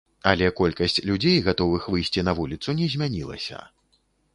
Але колькасць людзей, гатовых выйсці на вуліцу, не змянілася.